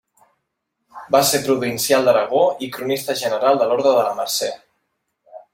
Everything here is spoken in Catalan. Va ser provincial d'Aragó i cronista general de l'orde de la Mercè.